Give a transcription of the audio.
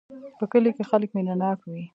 په کلي کې خلک مینه ناک وی